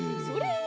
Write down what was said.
それ！